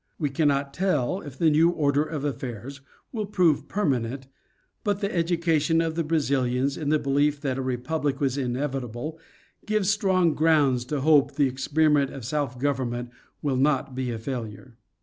We cannot tell if the new order of affairs will prove permanent, but the education of the Brazilians in the belief that a republic was inevitable, gives strong grounds. to hope the experiment of self government will not be a failure.